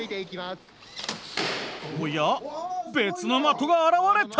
おや別の的が現れた！